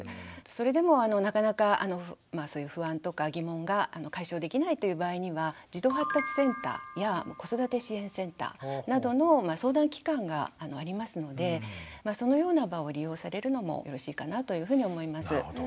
それでもなかなかそういう不安とか疑問が解消できないという場合には児童発達センターや子育て支援センターなどの相談機関がありますのでそのような場を利用されるのもよろしいかなというふうに思います。